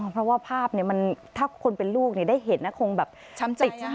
เพราะว่าภาพถ้าคนเป็นลูกได้เห็นนะคงแบบ